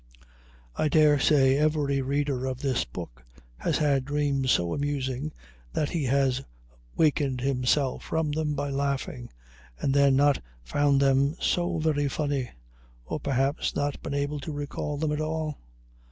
I daresay every reader of this book has had dreams so amusing that he has wakened himself from them by laughing, and then not found them so very funny, or perhaps not been able to recall them at all.